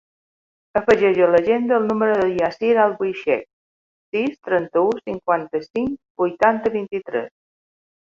Afegeix a l'agenda el número del Yassir Albuixech: sis, trenta-u, cinquanta-cinc, vuitanta, vint-i-tres.